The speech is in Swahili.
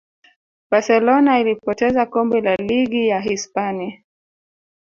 barcelona ilipoteza kombe la ligi ya hispania